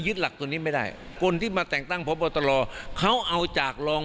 หลักตัวนี้ไม่ได้คนที่มาแต่งตั้งพบตรเขาเอาจากรอง